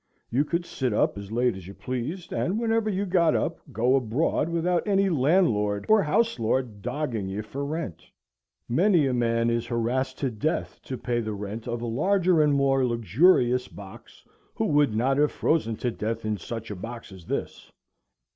You could sit up as late as you pleased, and, whenever you got up, go abroad without any landlord or house lord dogging you for rent. Many a man is harassed to death to pay the rent of a larger and more luxurious box who would not have frozen to death in such a box as this.